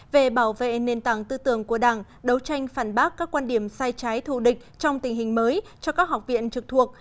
về bảo vệ nền tảng tư tưởng của đảng đấu tranh phản bác các quan điểm sai trái thù địch trong tình hình mới cho các học viện trực thuộc